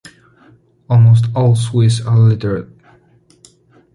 Almost all Swiss are literate.